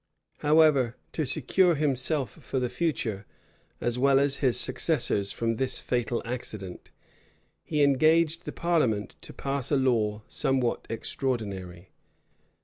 However, to secure himself for the future, as well as his successors, from this fatal accident, he engaged the parliament to pass a law somewhat extraordinary.